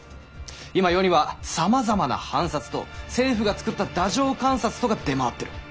今世にはさまざまな藩札と政府が作った太政官札とが出回ってる。